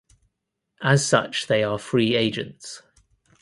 As such they are free agents.